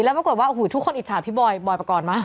แล้วปรากฎว่าทุกคนอิจฉาพี่บอยบอยประกอบมา